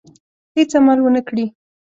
هېڅ عمل ونه کړي.